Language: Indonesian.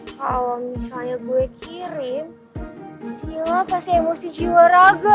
kalau misalnya gue kirim isi lepas emosi jiwa raga